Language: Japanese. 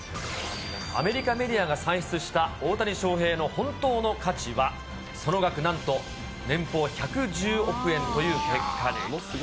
アメリカメディアが算出した大谷翔平の本当の価値は、その額なんと年俸１１０億円という結果に。